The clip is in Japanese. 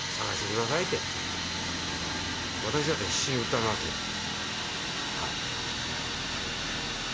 私だったら必死に訴えますねはい。